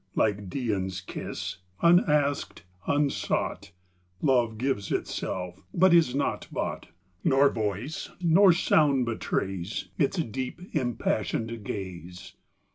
Like Dian's kiss, unasked, unsought, Love gives itself, but is not bought ; 15 Nor voice, nor sound betrays Its deep, impassioned ga/e.